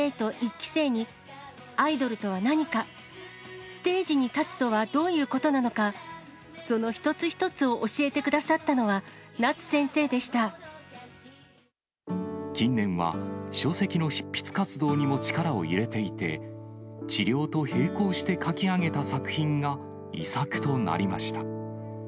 期生に、アイドルとは何か、ステージに立つとはどういうことなのか、その一つ一つを教えてく近年は、書籍の執筆活動にも力を入れていて、治療と並行して書き上げた作品が遺作となりました。